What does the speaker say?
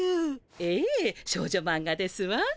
ええ少女マンガですわ。